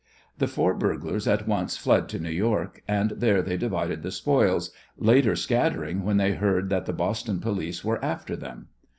The four burglars at once fled to New York, and there they divided the spoils, later scattering when they heard that the Boston police were after them.